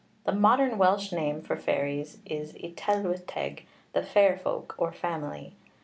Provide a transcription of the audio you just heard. The modern Welsh name for fairies is y Tylwyth Teg, the fair folk or family.